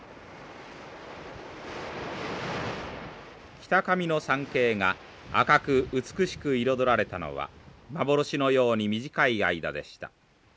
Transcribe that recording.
北上の山系が赤く美しく彩られたのは幻のように短い間でした。